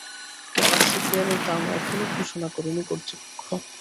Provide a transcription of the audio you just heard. Galaxy গিয়ারের দাম এখনও ঘোষণা করেনি কর্তৃপক্ষ।